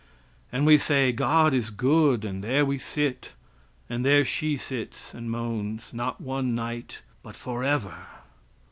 And we say God is good, and there we sit, and there she sits and moans, not one night, but forever.